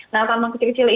nah tanaman kecil kecil ini